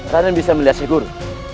raden bisa melihat syekh guru